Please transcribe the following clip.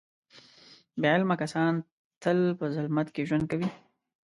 بې علمه کسان تل په ظلمت کې ژوند کوي.